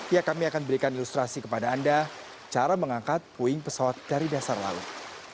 ya kami akan berikan ilustrasi kepada anda cara mengangkat puing pesawat dari dasar laut